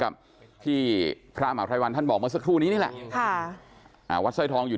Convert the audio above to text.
กับพี่พระหมาไพรวันท่านบอกมาสักทุ่งนี้แหละวัดสร้อยทองอยู่